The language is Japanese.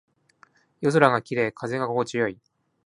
夜空が綺麗。風が心地よい。